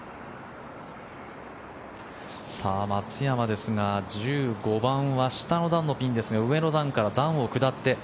松山ですが１５番は下の段のピンですが上の段から段を下って。